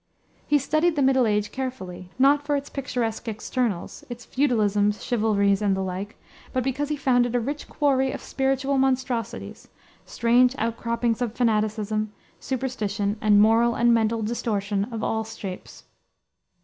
He studied the Middle Age carefully, not for its picturesque externals, its feudalisms, chivalries, and the like; but because he found it a rich quarry of spiritual monstrosities, strange outcroppings of fanaticism, superstition, and moral and mental distortion of all shapes.